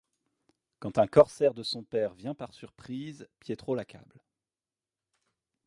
Quand un corsaire de son père vient par surprise, Pietro l'accable.